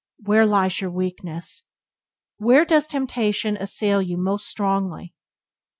Where lies your weakness? Where does temptation assail you most strongly?